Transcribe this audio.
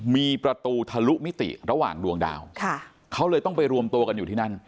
มีประตูทะลุมิติระหว่างดวงดาวเขาเลยต้องไปรวมตัวกันอยู่ที่นั่น